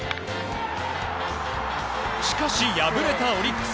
しかし、敗れたオリックス。